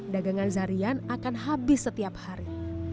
dagangan zarian akan habis setiap hari